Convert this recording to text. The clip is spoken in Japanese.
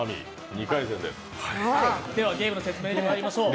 ではゲームの説明にまいりましょう。